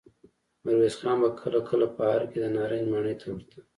ميرويس خان به کله کله په ارګ کې د نارنج ماڼۍ ته ورته.